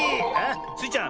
スイちゃん